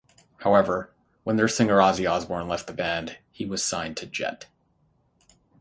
However, when their singer Ozzy Osbourne left the band, he was signed to Jet.